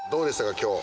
今日。